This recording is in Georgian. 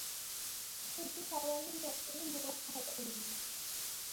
ხიდის სავალი ნაწილი მოასფალტებულია.